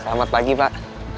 selamat pagi pak